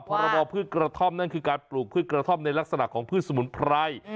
พรบพืชกระท่อมนั่นคือการปลูกพืชกระท่อมในลักษณะของพืชสมุนไพร